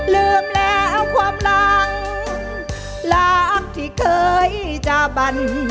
ลืมแล้วความหลังรักที่เคยจาบัน